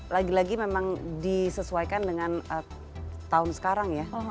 lagi lagi memang disesuaikan dengan tahun sekarang ya